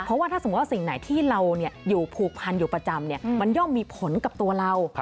เพราะว่าถ้าสมมุติว่าสิ่งไหนที่เราอยู่ผูกพันอยู่ประจำมันย่อมมีผลกับตัวเรา